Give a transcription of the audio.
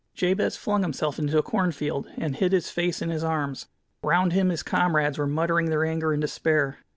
Jabez flung himself into a cornfield, and hid his face in his arms. Round him his comrades were muttering their anger and despair.